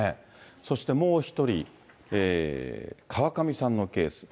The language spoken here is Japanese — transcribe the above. そしてもう１人、川上さんのケース。